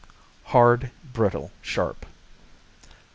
_ Hard; brittle; sharp.